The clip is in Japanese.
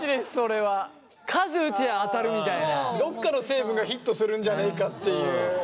どっかの成分がヒットするんじゃないかっていう。